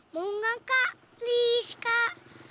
mau gak kak please kak